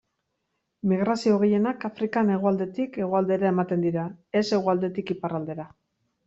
Migrazio gehienak Afrikan hegoaldetik hegoaldera ematen dira, ez hegoaldetik iparraldera.